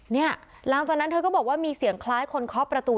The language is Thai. เนี่ยหลังจากนั้นเธอก็บอกว่ามีเสียงคล้ายคนเคาะประตู